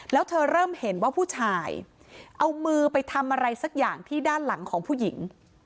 แล้วเธอเริ่มเห็นว่าผู้ชายเอามือไปทำอะไรสักอย่างที่ด้านหลังของผู้หญิง